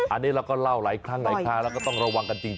อันนี้เราก็เล่าหลายครั้งหลายครั้งแล้วก็ต้องระวังกันจริง